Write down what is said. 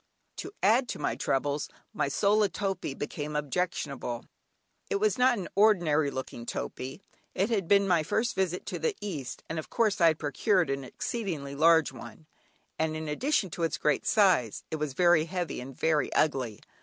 To add to my troubles my sola topee became objectionable. It was not an ordinary looking topee; it being my first visit to the East, of course I had procured an exceedingly large one, and in addition to its great size, it was very heavy and very ugly.